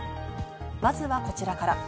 まずはこちらから。